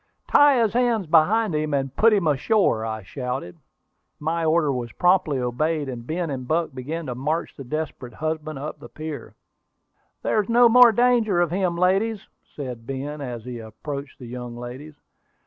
"Tie his hands behind him, and put him ashore!" I shouted. My order was promptly obeyed, and Ben and Buck began to march the desperate husband up the pier. "There is no more danger of him, ladies," said Ben, as he approached the young ladies.